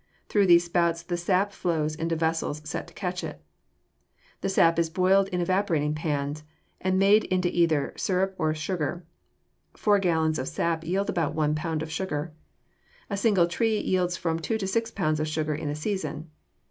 Through these spouts the sap flows into vessels set to catch it. The sap is boiled in evaporating pans, and made into either sirup or sugar. Four gallons of sap yield about one pound of sugar. A single tree yields from two to six pounds of sugar in a season.